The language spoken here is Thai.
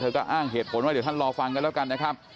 ก็อ้างเหตุผลว่าเดี๋ยวท่านรอฟังกันแล้วกันนะครับ